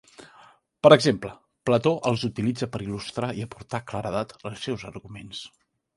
Per exemple, Plató els utilitza per il·lustrar i aportar claredat als seus arguments.